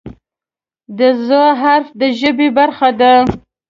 د "ض" حرف د ژبې برخه ده.